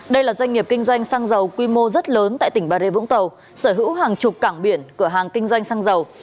đây là doanh nghiệp kinh doanh xăng dầu quy mô rất lớn tại tỉnh bà rê vũng tàu sở hữu hàng chục cảng biển cửa hàng kinh doanh xăng dầu